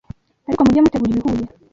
Ariko mujye mutegura ibihuye